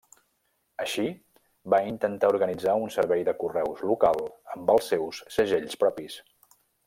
Així, va intentar organitzar un servei de correus local amb els seus segells propis.